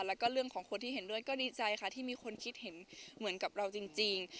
แล้วก็เรื่องของคนที่เห็นด้วยก็ดีใจค่ะที่มีคนคิดเห็นเหมือนกับเราจริง